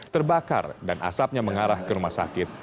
terbakar dan asapnya mengarah ke rumah sakit